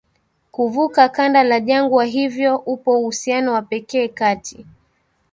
kuvuka kanda la jangwa Hivyo upo uhusiano wa pekee kati